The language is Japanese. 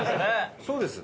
そうです。